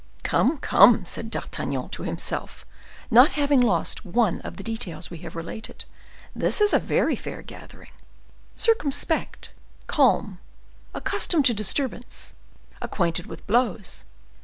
"Come, come," said D'Artagnan to himself, not having lost one of the details we have related, "this is a very fair gathering—circumspect, calm, accustomed to disturbance, acquainted with blows!